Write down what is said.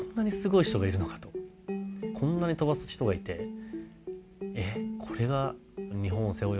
こんなに飛ばす人がいてこれが。